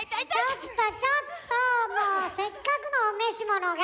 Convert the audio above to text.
ちょっとちょっともうせっかくのお召し物が。